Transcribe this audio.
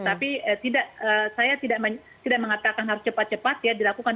tapi tidak saya tidak mengatakan harus cepat cepat ya dilakukan